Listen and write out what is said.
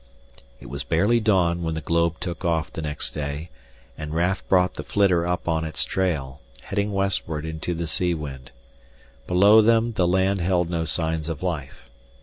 It was barely dawn when the globe took off the next day, and Raf brought the flitter up on its trail, heading westward into the sea wind. Below them the land held no signs of life.